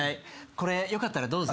これよかったらどうぞ。